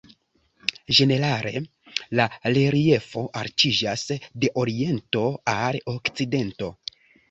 Ĝenerale la reliefo altiĝas de oriento al okcidento.